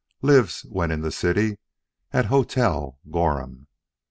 Lives, when in city, at Hotel Gorham.